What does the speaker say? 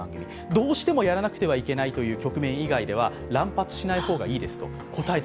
どうしてもやらなくてはいけないという局面以外では乱発しない方がいいですと。